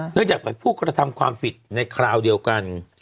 เรื่องจากผู้กระทำความผิดในคราวเดียวกัน